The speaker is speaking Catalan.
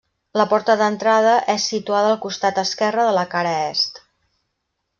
La porta d'entrada és situada al costat esquerre de la cara est.